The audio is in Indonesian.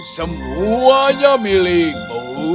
sayang semuanya milikmu